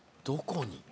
どこに？